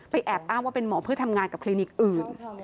แอบอ้างว่าเป็นหมอเพื่อทำงานกับคลินิกอื่น